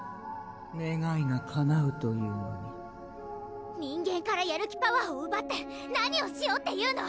ねがいがかなうというのに人間からやる気パワーをうばって何をしようっていうの？